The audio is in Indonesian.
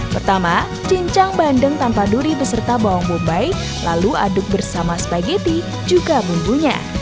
pertama cincang bandeng tanpa duri beserta bawang bombay lalu aduk bersama spaghetti juga bumbunya